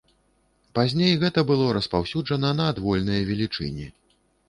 Пазней гэта было распаўсюджана на адвольныя велічыні.